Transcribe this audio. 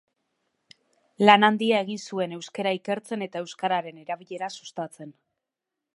Lan handia egin zuen euskara ikertzen eta euskararen erabilera sustatzen.